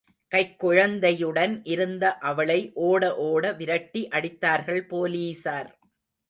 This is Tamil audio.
கைக் குழந்தையுடன் இருந்த அவளை ஓட ஓட விரட்டி அடித்தார்கள் போலீசார்.